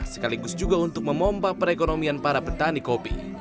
sekaligus juga untuk memompa perekonomian para petani kopi